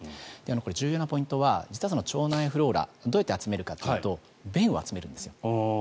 重要なポイントは実は腸内フローラどうやって集めるかというと便を集めるんです。